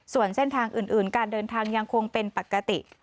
ส่วนเส้นทางอื่นการเดินทางยังคงเป็นปกติ